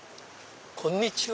こんにちは。